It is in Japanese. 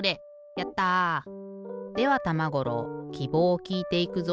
やった！ではたまごろうきぼうをきいていくぞ。